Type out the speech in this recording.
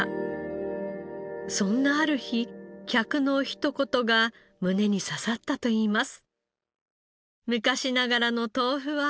そんなある日客のひとことが胸に刺さったといいます。